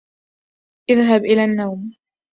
اذهب إلى النوم